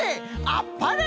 あっぱれ！